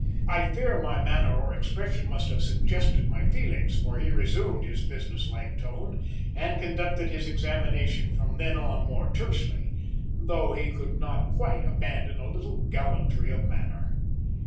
I fear my manner or expression must have suggested my feelings, for he resumed his business like tone and conducted his examination from then on more tersely, though he could not quite abandon a little gallantry of manner.